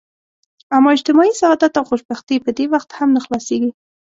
اما اجتماعي سعادت او خوشبختي په دې وخت هم نه حلاصیږي.